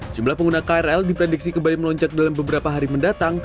jumlah pengguna krl diprediksi kembali melonjak dalam beberapa hari mendatang